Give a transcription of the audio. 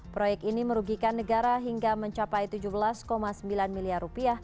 proyek ini merugikan negara hingga mencapai rp tujuh belas sembilan miliar